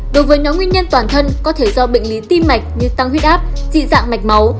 đối với nhóm nguyên nhân toàn thân có thể do bệnh lý tim mạch như tăng huyết áp dị dạng mạch máu